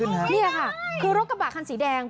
นี่แหละค่ะคือรถกระบาดคันสีแดง